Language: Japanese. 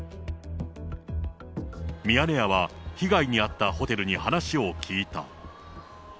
ミヤネ屋は、被害に遭ったホテルに話を聞いた。